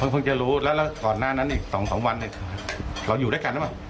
เพิ่งจะรู้แล้วแล้วก่อนหน้านั้นอีก๒๓วันเราอยู่ด้วยกันหรือเปล่า